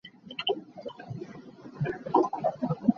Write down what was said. Hart has attempted to revive Stampede Wrestling numerous times.